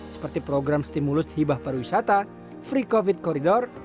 seperti program stimulus hibah pariwisata free covid corridor